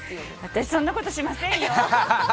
私そんなことしませんよ。